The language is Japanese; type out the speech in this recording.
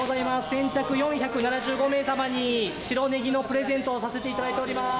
先着４７５名様に白ネギのプレゼントをさせていただいております。